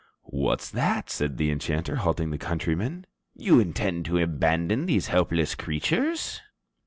"What's that?" said the enchanter, halting the countryman. "You intend to abandon these helpless creatures?"